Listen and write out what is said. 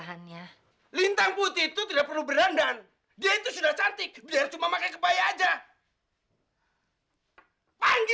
saya tidak tahu apa apa